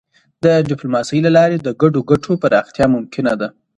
د ډيپلوماسی له لارې د ګډو ګټو پراختیا ممکنه ده.